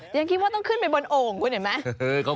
ยังคิดว่าต้องขึ้นไปบนโอ่งคุณเห็นไหม